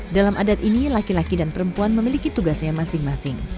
dalam adat ini laki laki dan perempuan memiliki tugasnya masing masing